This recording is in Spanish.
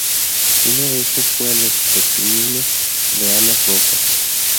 Uno de estos fue el estornino de alas rojas.